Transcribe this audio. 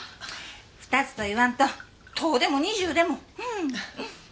２つと言わんと１０でも２０でも。